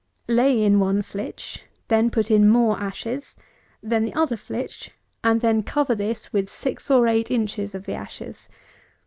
Lay in one flitch; then put in more ashes; then the other flitch; and then cover this with six or eight inches of the ashes.